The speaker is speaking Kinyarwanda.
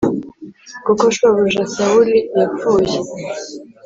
kuko shobuja Sawuli yapfuye